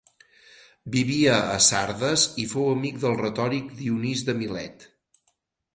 Vivia a Sardes i fou amic del retòric Dionís de Milet.